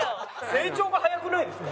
成長が早くないですか？